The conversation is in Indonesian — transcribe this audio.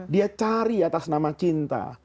dia cari atas nama cinta